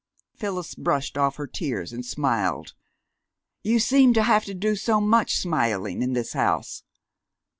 Phyllis brushed off her tears, and smiled. You seemed to have to do so much smiling in this house!